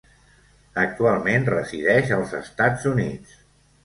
Actualment resideix als Estats Units.